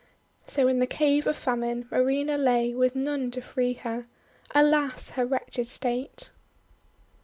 So in the Cave of Famine Marina lay with none to free her. Alas! her wretched state!